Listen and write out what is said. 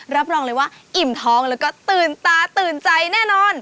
รับรองเลยว่าอิ่มท้องแล้วก็ตื่นตาตื่นใจแน่นอน